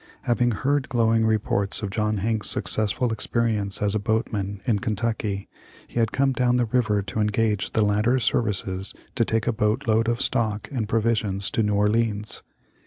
Having heard glowing reports of John Hanks' successful experience as a boatman in Kentucky he had come down the river to engage the latter's services to take a boat load of stock and provisions to New Orleans.